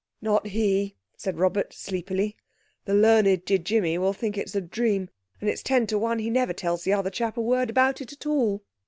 "Not he," said Robert sleepily. "The learned Ji jimmy will think it's a dream, and it's ten to one he never tells the other chap a word about it at all."